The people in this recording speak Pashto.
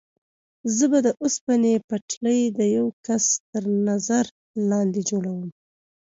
زه به د اوسپنې پټلۍ د یوه کس تر نظر لاندې جوړوم.